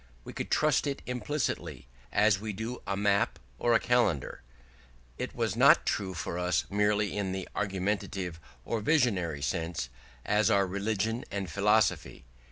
We could trust it implicitly, as we do a map or a calendar; it was not true for us merely in an argumentative or visionary sense, as are religion and philosophy.